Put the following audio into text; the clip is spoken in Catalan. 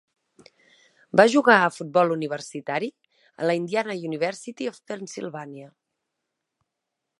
Va jugar a futbol universitari a la Indiana University of Pennsylvania.